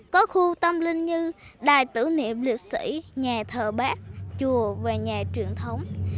có khu tâm linh như đài tử niệm liệt sĩ nhà thờ bác chùa và nhà truyền thống